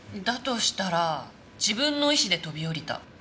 だとしたら自分の意志で飛び降りた。